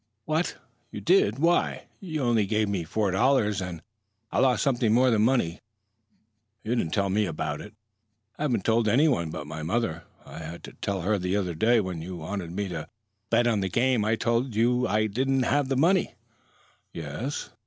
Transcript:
"What? You did? Why, you only gave me four dollars and " "I lost something more than money." "You didn't tell me about it." "I haven't told anyone but my mother. I had to tell her the other day. When you wanted me to bet on that game I told you I didn't have any money." "Yes."